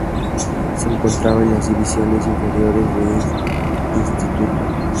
Se encontraba en las divisiones inferiores de Instituto.